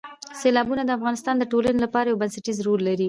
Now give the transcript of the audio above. سیلابونه د افغانستان د ټولنې لپاره یو بنسټیز رول لري.